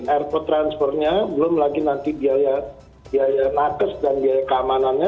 airport transfernya belum lagi nanti biaya nakes dan biaya keamanannya